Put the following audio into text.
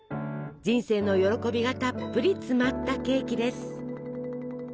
人生の喜びがたっぷり詰まったケーキです！